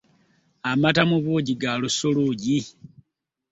Amata mu buugi ga lusuluugi.